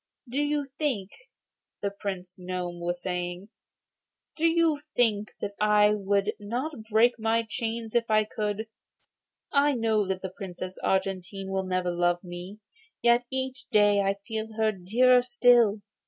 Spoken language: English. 'Do you think,' the Prince Gnome was saying, 'do you think that I would not break my chains if I could? I know that the Princess Argentine will never love me, yet each day I feel her dearer still.